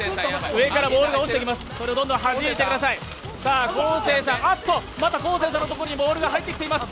上からボールが落ちてきます。